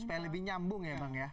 supaya lebih nyambung ya bang ya